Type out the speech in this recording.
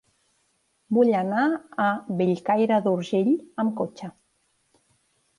Vull anar a Bellcaire d'Urgell amb cotxe.